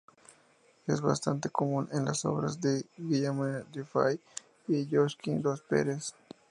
Es bastante común en las obras de Guillaume Dufay y Josquin des Prez.